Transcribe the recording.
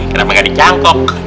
kenapa nggak dicangkok